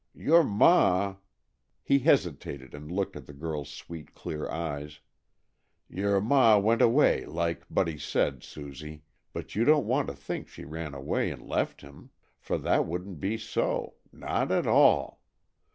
Your ma" he hesitated and looked at the girl's sweet, clear eyes "your ma went away, like Buddy said, Susie, but you don't want to think she run away and left him, for that wouldn't be so, not at all!